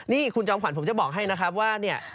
นี่คุณจอมขวัญผมจะบอกให้นะครับว่าเนี่ย